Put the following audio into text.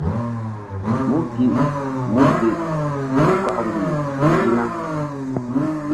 Mú gi! Mú gi! Kɔkmbih i na.